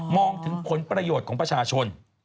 องถึงผลประโยชน์ของประชาชน